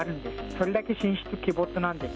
それだけ神出鬼没なんです。